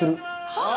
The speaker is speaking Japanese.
はあ！